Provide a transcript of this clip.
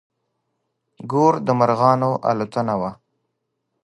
ګور د مرغانو الوتنه وه.